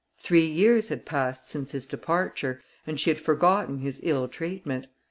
Three years had passed since his departure, and she had forgotten his ill treatment.